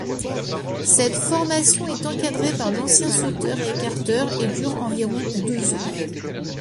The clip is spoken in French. Cette formation est encadrée par d'anciens sauteurs et écarteurs et dure environ deux ans.